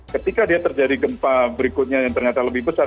ketika dia terjadi gempa berikutnya yang ternyata lebih besar